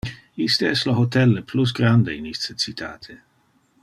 Iste es le hotel le plus grande in iste citate.